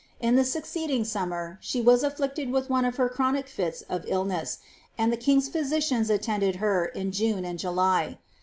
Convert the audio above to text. In the succeeding sommer, she waa afflicled wiAi oneef chronic fits of illness, and the king's physicians attended her in and July.